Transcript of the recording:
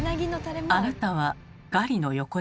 あなたはガリの横ですか？